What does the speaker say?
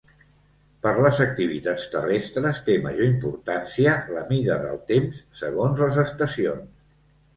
Per les activitats terrestres té major importància la mida del temps segons les estacions.